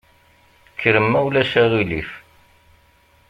Kkrem ma ulac aɣilif.